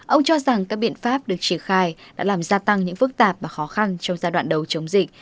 ông cho rằng các biện pháp được triển khai đã làm gia tăng những phức tạp và khó khăn trong giai đoạn đầu chống dịch